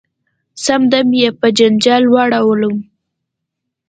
سم دم یې په جنجال واړولم .